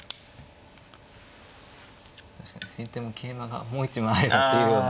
確かに先手も桂馬がもう一枚あればというような。